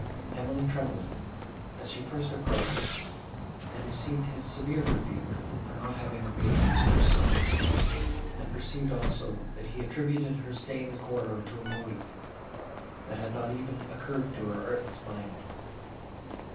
Emily trembled, as she approached and received his severe rebuke, for not having obeyed his first summons; and perceived, also, that he attributed her stay in the corridor to a motive, that had not even occurred to her artless mind.